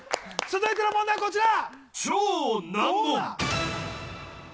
続いての問題はこちら。